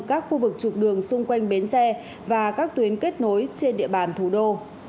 các khu vực trục đường xung quanh bến xe và các tuyến kết nối trên địa bàn thủ đô